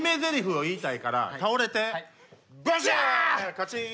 カチン！